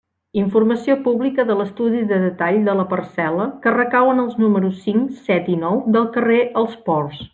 Informació pública de l'estudi de detall de la parcel·la que recau en els números cinc, set i nou del carrer Els Ports.